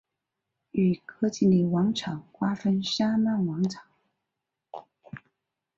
与哥疾宁王朝瓜分萨曼王朝。